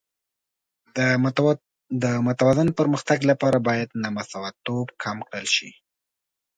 د متوازن پرمختګ لپاره باید نامساواتوب کم کړل شي.